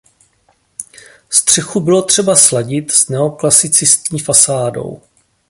Střechu bylo třeba sladit s neoklasicistní fasádou.